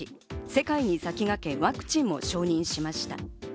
世界に先駆けワクチンも承認しました。